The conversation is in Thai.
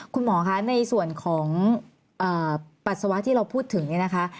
คุณหมอคะในส่วนของปัสสาวะที่เราพูดถึงเนี่ยนะคะ